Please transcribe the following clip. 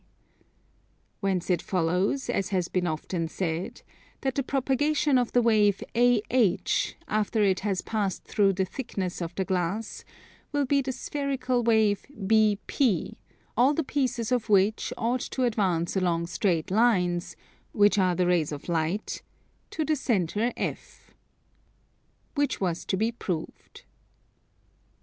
Whence it follows, as has been often said, that the propagation of the wave AH, after it has passed through the thickness of the glass, will be the spherical wave BP, all the pieces of which ought to advance along straight lines, which are the rays of light, to the centre F. Which was to be proved.